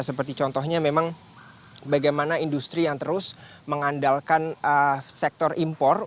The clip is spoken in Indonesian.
seperti contohnya memang bagaimana industri yang terus mengandalkan sektor impor